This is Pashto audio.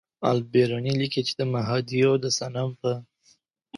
البېروني لیکي چې د مهادیو د صنم په